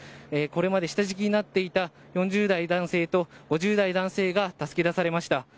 これまで下敷きになっていた４０代男性と５０代男性が助け出されました。